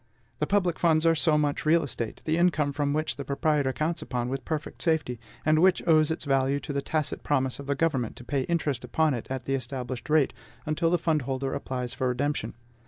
The public funds are so much real estate, the income from which the proprietor counts upon with perfect safety, and which owes its value to the tacit promise of the government to pay interest upon it at the established rate, until the fund holder applies for redemption.